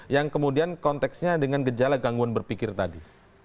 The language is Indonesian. yang kemudian konteksnya dengan gejala gangguan berpikir tadi